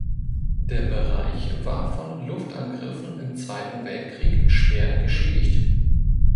Der Bereich war von Luftangriffen im Zweiten Weltkrieg schwer geschädigt.